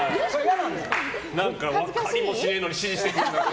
何か分かりもしねえのに指示してきてって。